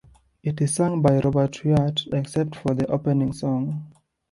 It is sung by Robert Wyatt, except for the opening song.